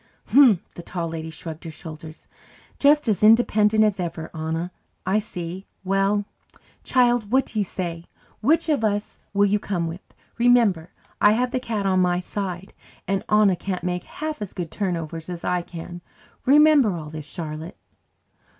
"Humph!" The Tall Lady shrugged her shoulders. "Just as independent as ever, Anna, I see. Well, child, what do you say? Which of us will you come with? Remember, I have the cat on my side, and Anna can't make half as good turnovers as I can. Remember all this, Charlotte."